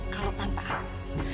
kalau tanpa aku